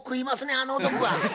あの男は。